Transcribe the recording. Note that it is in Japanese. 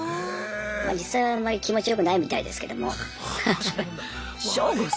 実際はあんまり気持ちよくないみたいですけども。